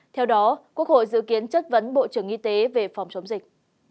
theo đó quốc hội dự kiến chất vấn bộ trưởng y tế về phòng chống dịch